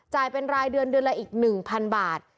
เป็นรายเดือนเดือนละอีก๑๐๐๐บาท